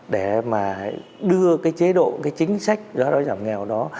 để mà đưa cái chế độ cái chính sách xóa đói giảm nghèo đó